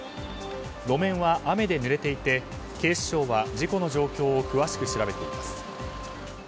路面は雨でぬれていて警視庁は事故の状況を詳しく調べています。